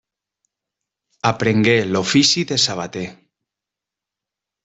Aprengué l'ofici de sabater.